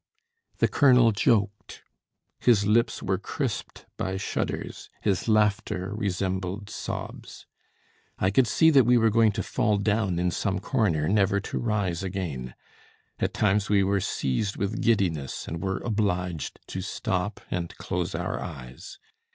The colonel joked; his lips were crisped by shudders, his laughter resembled sobs. I could see that we were going to fall down in some corner never to rise again. At times we were seized with giddiness, and were obliged to stop and close our eyes.